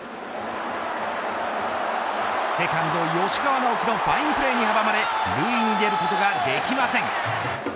セカンド吉川尚輝のファインプレーに阻まれ塁に出ることができません。